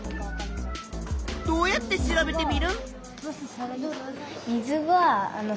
どうやって調べテミルン？